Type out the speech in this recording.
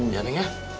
ya neng ya